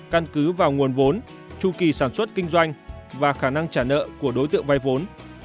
căn cứ vào nguồn vốn chu kỳ sản xuất kinh doanh và khả năng trả nợ của đối tượng vay vốn